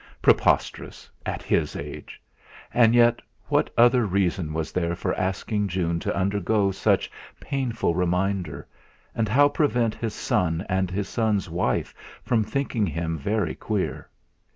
Preposterous, at his age! And yet what other reason was there for asking June to undergo such painful reminder, and how prevent his son and his son's wife from thinking him very queer?